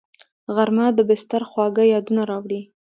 غرمه د بستر خواږه یادونه راوړي